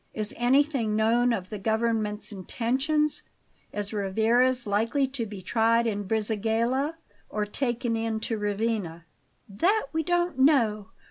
Is anything known of the government's intentions? Is Rivarez likely to be tried in Brisighella or taken in to Ravenna?" "That we don't know.